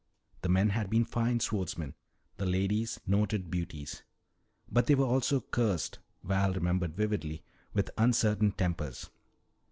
The men had been fine swordsmen, the ladies noted beauties. But they were also cursed, Val remembered vividly, with uncertain tempers.